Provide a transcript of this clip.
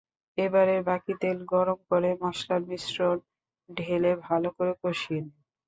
এবারে বাকি তেল গরম করে মসলার মিশ্রণ ঢেলে ভালো করে কষিয়ে নিন।